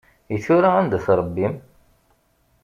I tura anda-t Ṛebbi-m?